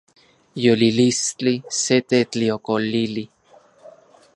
Yolilistli se tetliokolili